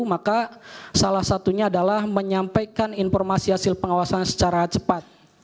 maka salah satunya adalah menyampaikan informasi hasil pengawasan secara cepat